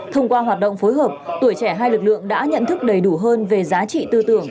thông qua hoạt động phối hợp tuổi trẻ hai lực lượng đã nhận thức đầy đủ hơn về giá trị tư tưởng